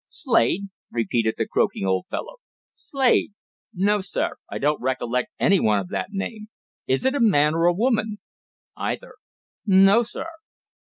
"Slade?" repeated the croaking old fellow. "Slade? No, sir. I don't recollect anyone of that name. Is it a man or a woman?" "Either." "No, sir."